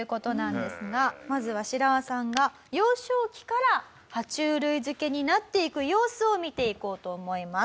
まずはシラワさんが幼少期から爬虫類漬けになっていく様子を見ていこうと思います。